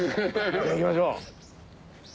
では行きましょう。